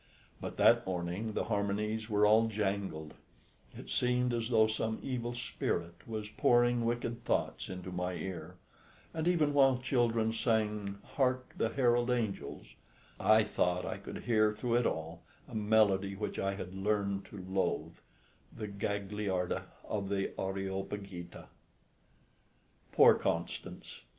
But that morning the harmonies were all jangled: it seemed as though some evil spirit was pouring wicked thoughts into my ear; and even while children sang "Hark the herald angels," I thought I could hear through it all a melody which I had learnt to loathe, the Gagliarda of the "Areopagita." Poor Constance!